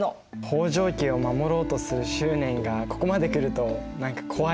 北条家を守ろうとする執念がここまでくると何か怖いよね。